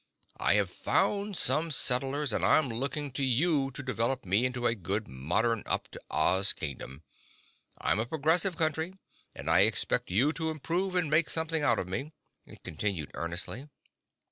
"I have found some settlers and I'm looking to you to develop me into a good, modern, up to Oz Kingdom. I'm a progressive Country and I expect you to improve and make something out of me," it continued earnestly.